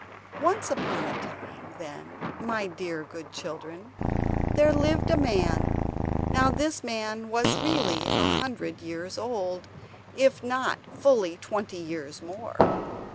Once upon a time, then, my dear good children, there lived a man. Now this man was really a hundred years old, if not fully twenty years more.